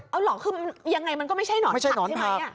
เอาเหรอคือยังไงมันก็ไม่ใช่หนอนฉันใช่ไหม